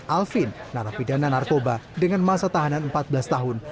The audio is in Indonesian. alvin narapidana narkoba dengan masa tahanan empat belas tahun